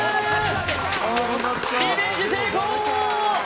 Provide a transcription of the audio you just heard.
リベンジ成功！